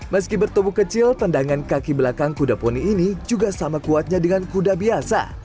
meski bertubuh kecil tendangan kaki belakang kuda poni ini juga sama kuatnya dengan kuda biasa